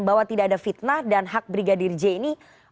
bahwa tidak ada fitnah dan hak brigadir j ini